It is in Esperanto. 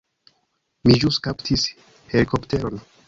Mi ĵus kaptis helikopteron.